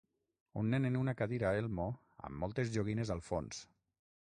Un nen en una cadira elmo amb moltes joguines al fons.